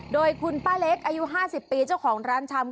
โดยคุณป้าเล็กอายุ๕๐ปีเจ้าของร้านชำ